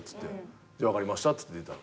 「分かりました」っつって出たの。